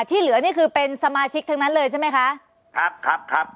ที่เหลือนี่คือเป็นสมาชิกทั้งนั้นเลยใช่ไหมคะครับครับครับ